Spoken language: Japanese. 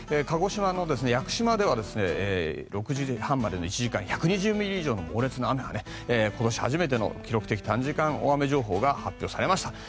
鹿児島の屋久島では６時半までの１時間１２０ミリ以上の猛烈な雨が、今年初めての記録的短時間大雨情報が発表されました。